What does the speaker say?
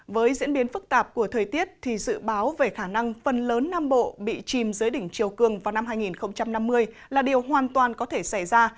với diễn biến phức tạp của thời tiết thì dự báo về khả năng phần lớn nam bộ bị chìm dưới đỉnh chiều cường vào năm hai nghìn năm mươi là điều hoàn toàn có thể xảy ra